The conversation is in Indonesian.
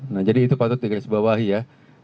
nah jadi itu patut digarisbawahi ya